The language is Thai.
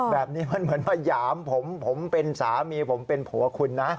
แบบนี้มันเหมือนมาหยามผมผมเป็นสามีผมเป็นผัวคุณนะ